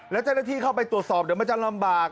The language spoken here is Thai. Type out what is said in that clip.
แล้วเจ้าหน้าที่เข้าไปตรวจสอบเดี๋ยวมันจะลำบาก